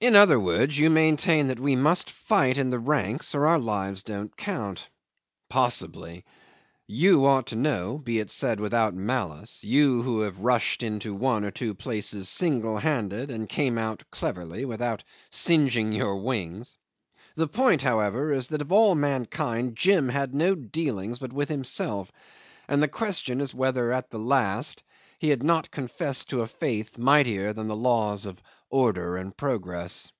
In other words, you maintained that we must fight in the ranks or our lives don't count. Possibly! You ought to know be it said without malice you who have rushed into one or two places single handed and came out cleverly, without singeing your wings. The point, however, is that of all mankind Jim had no dealings but with himself, and the question is whether at the last he had not confessed to a faith mightier than the laws of order and progress.